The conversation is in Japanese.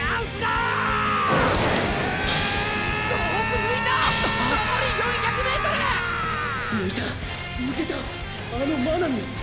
抜いた抜けたあの真波を。